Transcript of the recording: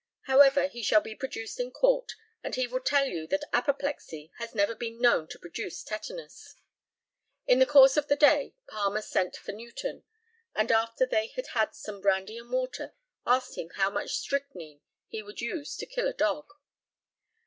However, he shall be produced in court, and he will tell you that apoplexy has never been known to produce tetanus. In the course of the day Palmer sent for Newton, and after they had had some brandy and water, asked him how much strychnine he would use to kill a dog.